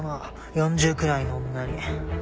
４０くらいの女に。